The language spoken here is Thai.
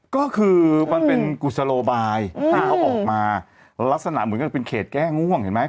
ก็คือมันเป็นกุศโลบายที่เขาออกมาลักษณะเหมือนกับเป็นเขตแก้ง่วงเห็นไหม